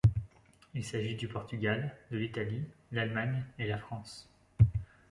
Il s'agit du Portugal, de l'Italie, l'Allemagne et la France.